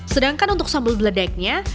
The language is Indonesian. sedangkan untuk sambal bedeknya